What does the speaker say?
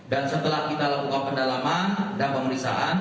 dan setelah kita lakukan pendalaman dan pemeriksaan